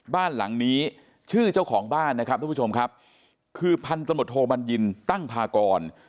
บ้านหลังนี้ชื่อเจ้าของบ้านนะครับทุกผู้ชมครับคือพันธมตโทบัญญินตั้งพากร